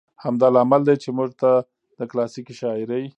همدا لامل دى، چې موږ ته د کلاسيکې شاعرۍ